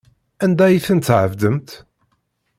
Anda ay tent-tɛebdemt?